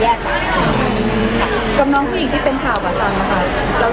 เกี่ยวกับน้องผู้หญิงที่เป็นข่าวกลัวสร้างหรือเปรียก